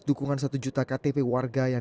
dukungan satu juta ktp warga yang